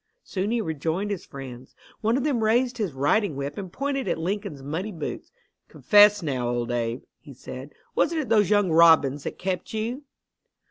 Soon he rejoined his friends. One of them raised his riding whip and pointed at Lincoln's muddy boots. "Confess now, old Abe," he said, "wasn't it those young robins that kept you?"